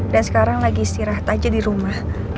dan sekarang lagi istirahat aja di rumah